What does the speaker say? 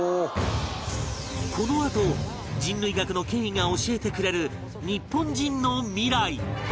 このあと人類学の権威が教えてくれる日本人の未来